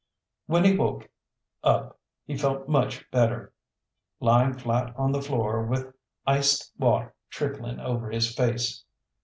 When he woke up he felt much better, lying flat on the floor with iced water trickling over his face.